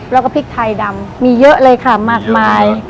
แล้วก็พริกไทยดำมีเยอะเลยค่ะมากมาย